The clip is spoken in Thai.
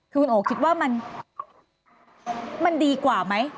คือคุณโอคิดว่ามันดีกว่าไหม